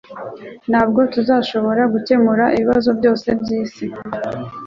Ntabwo tuzashobora gukemura ibibazo byose byisi